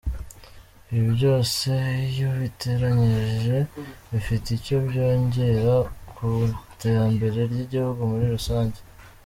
Ibi byose iyo ubiteranyije bifite icyo byongera ku iterambere ry’igihugu muri rusange.